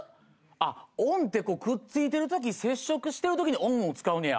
あっｏｎってこうくっついてる時接触してる時にｏｎを使うねや。